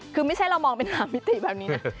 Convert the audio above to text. คือไม่ใช่เรามองเป็น๓มิติแบบนี้นะ